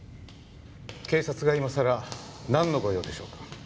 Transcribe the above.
警察が今さらなんのご用でしょうか？